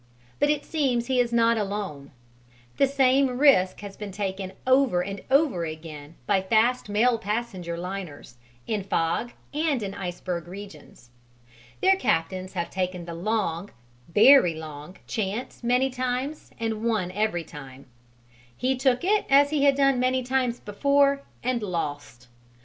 But it seems he is not alone: the same risk has been taken over and over again by fast mail passenger liners, in fog and in iceberg regions. Their captains have taken the long very long chance many times and won every time; he took it as he had done many times before, and lost.